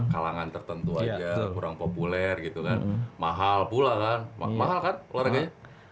kalangan tertentu aja kurang populer gitu kan mahal pula kan mahal kan olahraganya